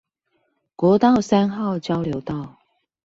國道三號交流道